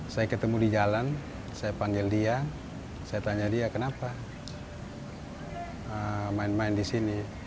saya ketemu di jalan saya panggil dia saya tanya dia kenapa main main di sini